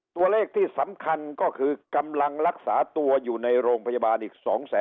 ตัวเลขที่สำคัญก็คือกำลังรักษาตัวอยู่ในโรงพยาบาลอีก๒แสน